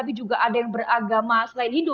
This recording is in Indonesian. sama yang beragama selain hindu